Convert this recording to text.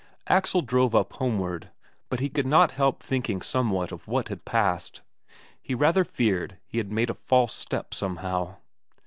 Axel drove up homeward, but he could not help thinking somewhat of what had passed; he rather feared he had made a false step somehow.